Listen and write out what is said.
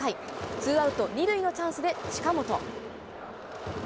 ツーアウト２塁のチャンスで近本。